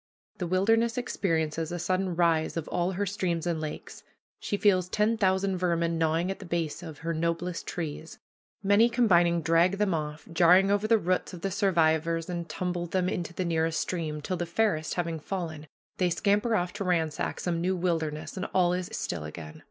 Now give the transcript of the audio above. The wilderness experiences a sudden rise of all her streams and lakes. She feels ten thousand vermin gnawing at the base of her noblest trees. Many combining drag them off, jarring over the roots of the survivors, and tumble them into the nearest stream, till, the fairest having fallen, they scamper off to ransack some new wilderness, and all is still again.